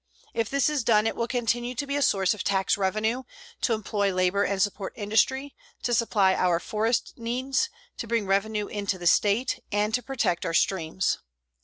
If this is done it will continue to be a source of tax revenue, to employ labor and support industry, to supply our forest needs, to bring revenue into the state, and to protect our streams.